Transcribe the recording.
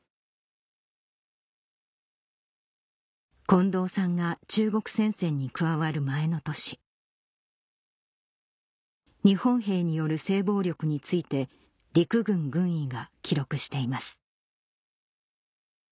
近藤さんが中国戦線に加わる前の年日本兵による性暴力について陸軍軍医が記録しています